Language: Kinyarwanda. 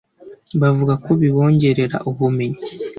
bavuga ko bibongerera ubumenyi